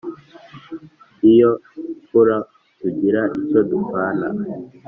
Iyo mfura tugira icyo dupfana